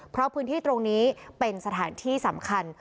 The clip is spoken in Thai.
เพราะพื้นที่ตรงนี้เป็นสถานที่สำคัญ